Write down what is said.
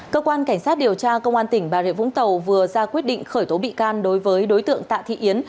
cơ quan cảnh sát điều tra công an tỉnh bà rịa vũng tàu vừa ra quyết định khởi tố bị can đối với đối tượng tạ thị yến